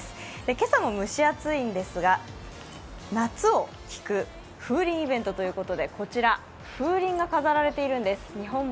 今朝も蒸し暑いんですが、夏を聴く風鈴イベントということで、こちら風鈴が飾られているんです。